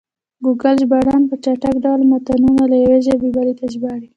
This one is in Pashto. ګوګل ژباړن په چټک ډول متنونه له یوې ژبې بلې ته ژباړي.